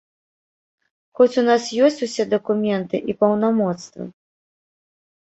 Хоць у нас ёсць усе дакументы і паўнамоцтвы.